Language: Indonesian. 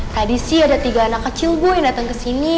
tadi sih ada tiga anak kecil gue yang datang kesini